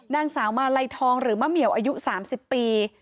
นางสาวมาลัยทองหรือมะเหมียวอายุ๓๐ปี